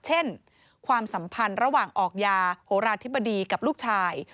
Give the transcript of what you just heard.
เช่นความสัมพันธ์ระหว่างออกยาโหราธิบดีกับลูกชาย